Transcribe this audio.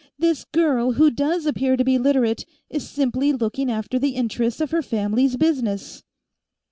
This girl, who does appear to be Literate, is simply looking after the interests of her family's business."